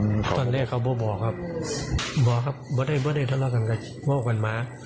ม์ตอนแรกเขาบอกครับไม่ได้ตัวลากันกันกันว่าออกกันมา